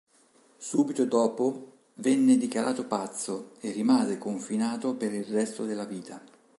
Subito dopo venne dichiarato pazzo e rimase confinato per il resto della vita.